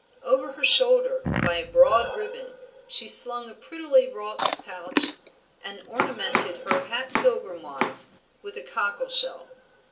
Over her shoulder, by a broad ribbon, she slung a prettily wrought pouch, and ornamented her hat pilgrim wise with a cockle shell.